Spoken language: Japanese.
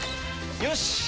よし！